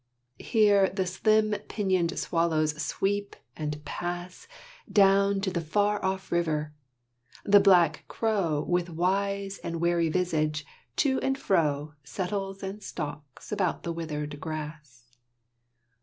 Here the slim pinioned swallows sweep and pass Down to the far off river; the black crow With wise and wary visage to and fro Settles and stalks about the withered grass.